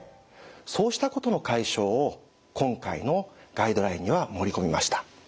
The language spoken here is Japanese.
そうしたことの解消を今回のガイドラインには盛り込みました。